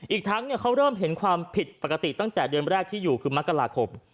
อีกทั้งเขาเริ่มเห็นความผิดปกติตั้งแต่เดือนแรกที่อยู่คือมกราคม